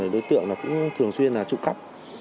đối tượng này cũng thường xuyên là trụ cấp